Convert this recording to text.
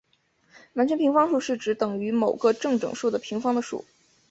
完全平方数是指等于某个正整数的平方的数。